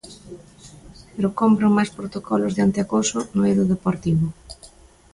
Pero cómpren máis protocolos de antiacoso no eido deportivo.